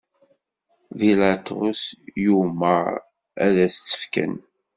Bilaṭus yumeṛ ad s-tt-fken.